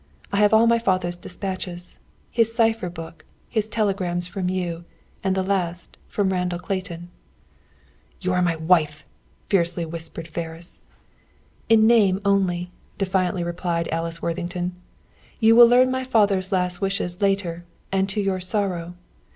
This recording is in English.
I have all my father's dispatches, his cipher book, his telegrams from you, and the last, from Randall Clayton." "You are my wife," fiercely whispered Ferris. "In name only," defiantly replied Alice Worthington. "You will learn my father's last wishes later, and to your sorrow.